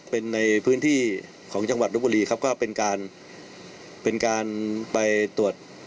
เป็นในพื้นที่ของจังหวัดลบบุรีก็เป็นการไปตรวจ